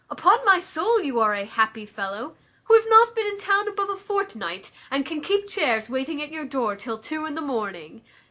Upon my soul you are a happy fellow, who have not been in town above a fortnight, and can keep chairs waiting at your door till two in the morning."